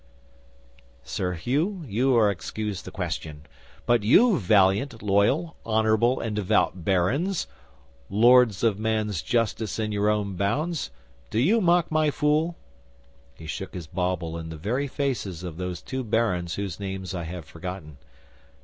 '"Sir Hugh, you are excused the question. But you, valiant, loyal, honourable, and devout barons, Lords of Man's justice in your own bounds, do you mock my fool?" 'He shook his bauble in the very faces of those two barons whose names I have forgotten.